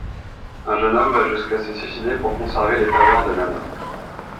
Un jeune homme va jusqu'à se suicider pour conserver les faveurs de Nana.